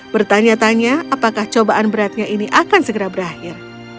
bertanya tanya apakah cobaan beratnya ini akan segera berakhir